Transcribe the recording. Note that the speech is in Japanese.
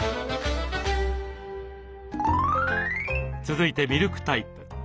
続いてミルクタイプ。